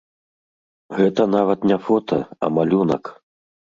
Гэта нават не фота, а малюнак.